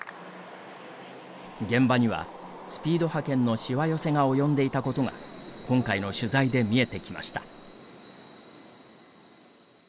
現場には、スピード派遣のしわ寄せが及んでいたことが今回の取材で見えてきました。